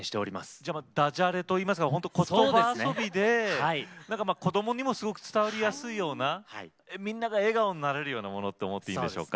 じゃあダジャレといいますかほんとことば遊びで子どもにもすごく伝わりやすいようなみんなが笑顔になれるようなものって思っていいでしょうか。